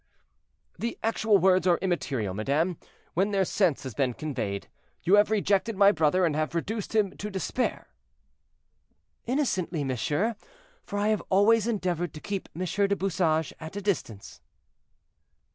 "The actual words are immaterial, madame, when their sense has been conveyed. You have rejected my brother, and have reduced him to despair." "Innocently, monsieur: for I have always endeavored to keep Monsieur du Bouchage at a distance."